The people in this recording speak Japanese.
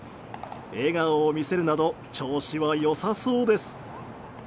笑顔を見せるなど調子は良さそうです。